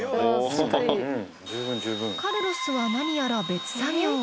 カルロスは何やら別作業。